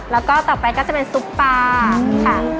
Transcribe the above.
แล้วก็ต่อไปก็จะเป็นซุปปลาค่ะ